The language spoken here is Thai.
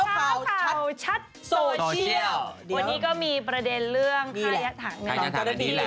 ฟันเราก็ไปไปอยู่ดูแล